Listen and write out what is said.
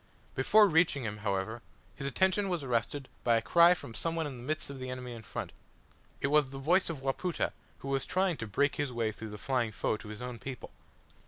Before reaching him, however, his attention was arrested by a cry from some one in the midst of the enemy in front. It was the voice of Wapoota, who was trying to break his way through the flying foe to his own people.